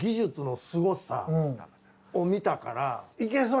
を見たから。